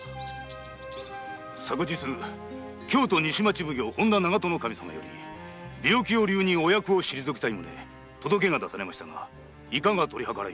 昨日京都西町奉行本多長門守様より病気を理由にお役を退きたいと届けが出されましたがいかが取り計らいましょう？